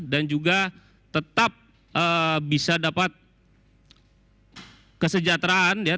dan juga tetap bisa dapat kesejahteraan ya